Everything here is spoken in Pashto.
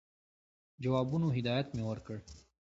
جوابونو هدایت مي ورکړ.